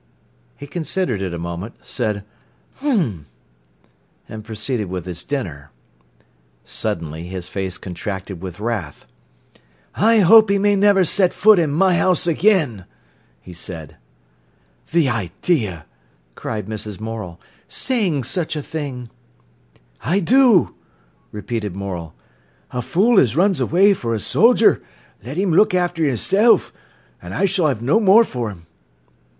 He considered it a moment, said "H'm!" and proceeded with his dinner. Suddenly his face contracted with wrath. "I hope he may never set foot i' my house again," he said. "The idea!" cried Mrs. Morel. "Saying such a thing!" "I do," repeated Morel. "A fool as runs away for a soldier, let 'im look after 'issen; I s'll do no more for 'im."